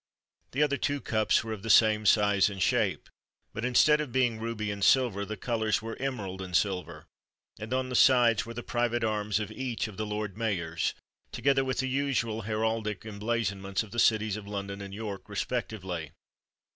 The other two cups were of the same size and shape, but, instead of being ruby and silver, the colours were emerald and silver; and on the sides were the private arms of each of the Lord Mayors, together with the usual heraldic emblazonments of the cities of London and York respectively.